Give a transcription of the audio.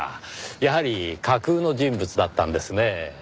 やはり架空の人物だったんですねぇ。